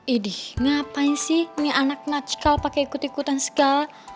idih ngapain sih nih anak nackal pake ikut ikutan segala